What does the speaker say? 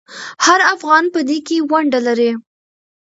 هر افغان په دې کې ونډه لري.